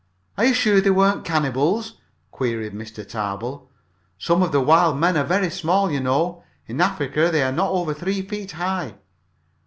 "Are you sure they weren't cannibals?" queried Mr. Tarbill. "Some of the wild men are very small, you know. In Africa they are not over three feet high."